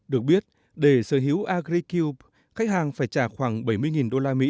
được biết để sở hữu agricub khách hàng phải trả khoảng bảy mươi usd